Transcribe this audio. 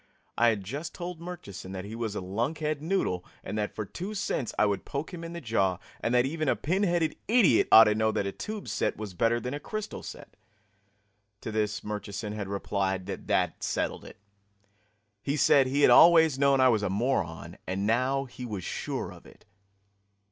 I had just told Murchison that he was a lunkheaded noodle and that for two cents I would poke him in the jaw, and that even a pin headed idiot ought to know that a tube set was better than a crystal set. To this Murchison had replied that that settled it. He said he had always known I was a moron, and now he was sure of it.